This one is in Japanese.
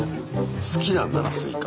好きなんだなスイカ。